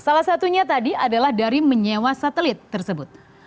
salah satunya tadi adalah dari menyewa satelit tersebut